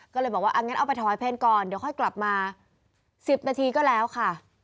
ก็เลยบอกว่างั้นเอาไปถอยเพลงก่อนเดี๋ยวค่อยกลับมา๑๐นาทีก็แล้วค่ะ